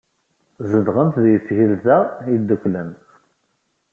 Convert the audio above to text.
Zedɣent deg Tgelda Yedduklen.